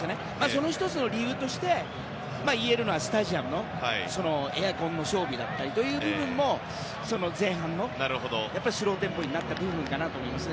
その１つの理由としていえるのはスタジアムのエアコンの装備だったりという部分も前半のスローテンポになった部分かなと思います。